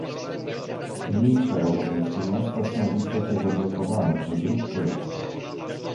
Mniejsze europejskie miasta są w istocie zablokowane przez ruch pojazdów